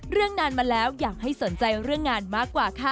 นานมาแล้วอยากให้สนใจเรื่องงานมากกว่าค่ะ